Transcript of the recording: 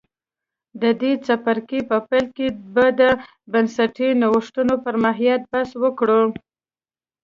د دې څپرکي په پیل کې به د بنسټي نوښتونو پر ماهیت بحث وکړو